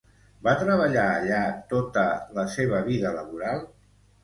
Va treballar allà tota la seva vida laboral?